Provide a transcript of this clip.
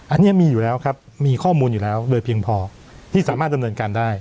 อันนี้มีอยู่แล้วครับมีข้อมูลอยู่แล้วโดยเพียงพอที่สามารถดำเนินการได้